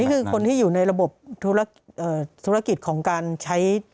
นี่คือคนที่อยู่ในระบบธุรกิจของการใช้